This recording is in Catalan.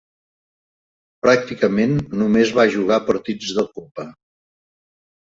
Pràcticament només va jugar partits de Copa.